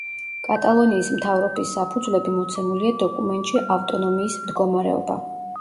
კატალონიის მთავრობის საფუძვლები მოცემულია დოკუმენტში „ავტონომიის მდგომარეობა“.